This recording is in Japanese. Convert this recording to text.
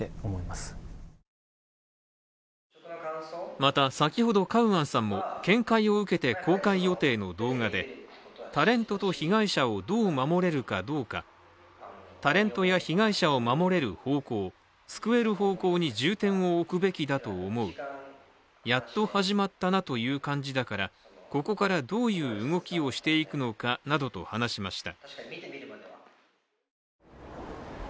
また、先ほどカウアンさんも見解を受けて、公開予定の動画で、タレントと被害者をどう守れるかどうか、タレントや被害者を守れる方向、救える方向に重点を置くべきだと思う、やっと始まったなという感じだからここからどういう動きをしていくのかなどと話しました。